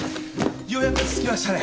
ようやく落ち着きましたね。